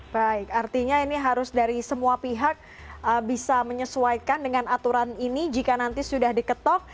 baik artinya ini harus dari semua pihak bisa menyesuaikan dengan aturan ini jika nanti sudah diketok